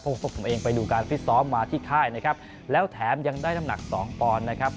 พวกผมเองไปดูการฟิตซ้อมมาที่ค่ายนะครับแล้วแถมยังได้น้ำหนักสองปอนด์นะครับ